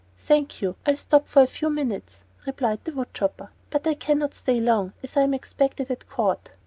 "Thank you, I'll stop for a few minutes," replied the wood chopper; "but I can not stay long, as I am expected at court."